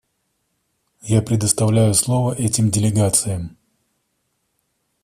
Я предоставляю слово этим делегациям.